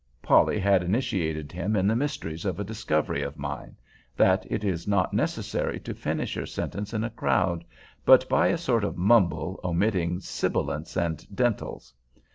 Polly had initiated him in the mysteries of a discovery of mine, that it is not necessary to finish your sentence in a crowd, but by a sort of mumble, omitting sibilants and dentals.